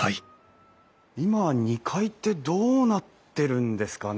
今は２階ってどうなってるんですかね？